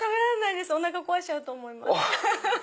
おなかこわしちゃうと思います。